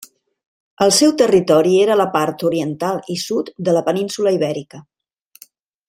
El seu territori era la part oriental i sud de la península Ibèrica.